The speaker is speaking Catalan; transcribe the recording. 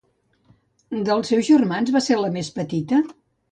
Dels seus germans va ser la més petita?